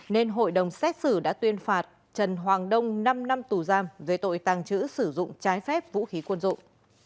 nên hội đồng xét xử đã tuyên phạt trần hoàng đông năm năm tù giam về tội tàng trữ sử dụng trái phép vũ khí quân dụng